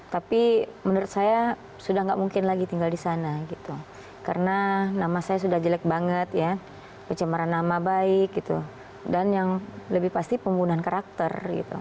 tapi menurut saya sudah tidak mungkin lagi tinggal di sana gitu karena nama saya sudah jelek banget ya pencemaran nama baik dan yang lebih pasti pembunuhan karakter gitu